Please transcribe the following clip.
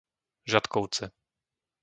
Žatkovce